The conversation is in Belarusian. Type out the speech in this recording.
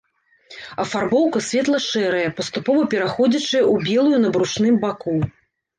Афарбоўка светла-шэрая, паступова пераходзячая ў белую на брушным баку.